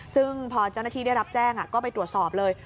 ซึ่งพอเจ้าหน้าที่ได้รับแจ้งก็ไปตรวจสอบเลย